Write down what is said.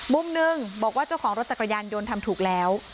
มุมหนึ่งบอกว่าเจ้าของรถจักรยานยนต์ทำถูกแล้ว